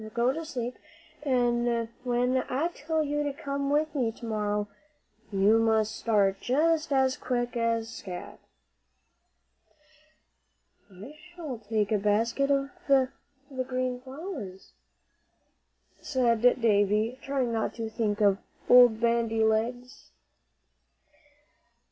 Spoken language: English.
Now go to sleep, an' when I tell you to come with me to morrow, you must start just as quick as scat." "I shall take a basket for the green flowers," said Davie, trying not to think of "Old Bandy Legs."